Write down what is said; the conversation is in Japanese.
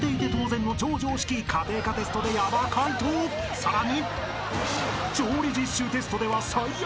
［さらに］